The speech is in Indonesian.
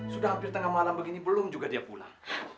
sudah hampir tengah malam begini belum juga dia pulang